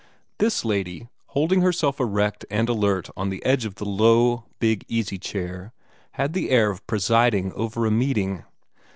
This lady, holding herself erect and alert on the edge of the low, big easy chair had the air of presiding over a meeting.